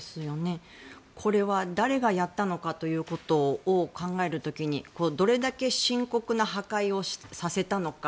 これは誰がやったのかということを考える時にどれだけ深刻な破壊をさせたのか。